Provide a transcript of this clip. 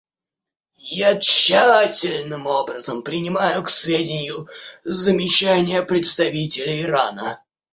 Я тщательным образом принимаю к сведению замечания представителя Ирана.